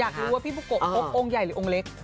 อยากรู้ว่าพี่บุโกะพบองค์ใหญ่หรือองค์เล็ก